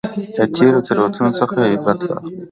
د تېرو تېروتنو څخه عبرت واخلئ.